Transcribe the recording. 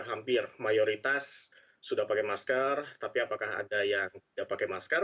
hampir mayoritas sudah pakai masker tapi apakah ada yang tidak pakai masker